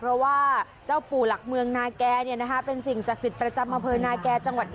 เพราะว่าเจ้าปู่หลักเมืองเนาแกเป็นสิ่งสรรควรให้ใจ